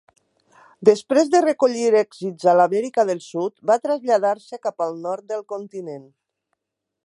Després de recollir èxits a l'Amèrica del Sud va traslladar-se cap al nord del continent.